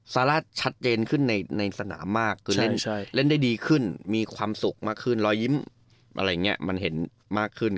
ซาร่าชัดเจนขึ้นในสนามมากเล่นได้ดีขึ้นมีความสุขมากขึ้นรอยยิ้มมันเห็นมากขึ้น